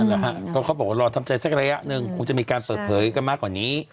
แหละฮะก็เขาบอกว่ารอทำใจสักระยะหนึ่งคงจะมีการเปิดเผยกันมากกว่านี้